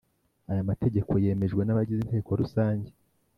Aya mategeko yemejwe n abagize inteko rusange